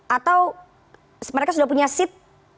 atau mereka sudah punya seat